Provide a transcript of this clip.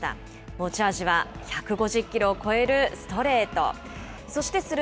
持ち味は、１５０キロを超えるストレート。